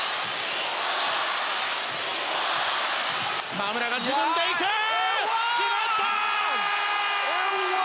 河村が自分でいく決まった！